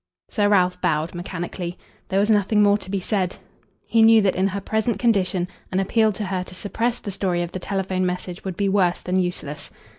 Sir Ralph bowed mechanically. There was nothing more to be said. He knew that in her present condition an appeal to her to suppress the story of the telephone message would be worse than useless.